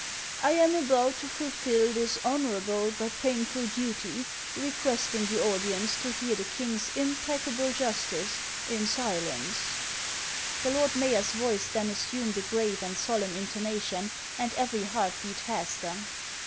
I am about to fulfil this honorable but painful duty, requesting the audience to hear the king's impeccable justice in silence." HANS OF ICELAND. 455 The lord mayor's voice then assumed a grave and solemn intonation, and every heart beat faster.